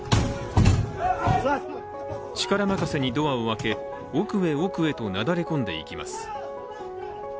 力任せにドアを開け、奥へ奥へとなだれ込んでいきます。